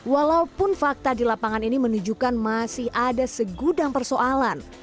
walaupun fakta di lapangan ini menunjukkan masih ada segudang persoalan